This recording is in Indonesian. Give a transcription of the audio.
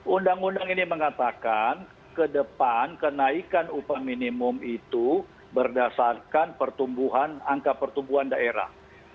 undang undang ini mengatakan ke depan kenaikan upah minimum itu berdasarkan pertumbuhan angka pertumbuhan daerah